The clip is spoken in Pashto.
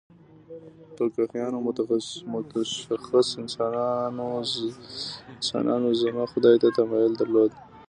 فقیهانو متشخص انسانوزمه خدای ته تمایل درلود.